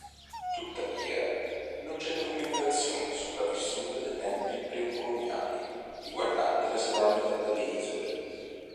Tuttavia, non c'è documentazione sopravvissuta dai tempi pre-coloniali riguardanti la sovranità delle isole.